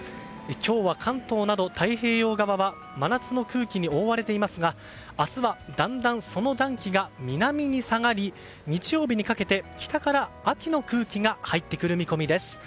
今日は関東など太平洋側は真夏の空気に覆われていますが明日は、だんだんその暖気が南に下がり、日曜日にかけて北から秋の空気が入ってくる見込みです。